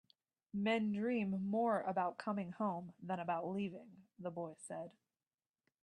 "Men dream more about coming home than about leaving," the boy said.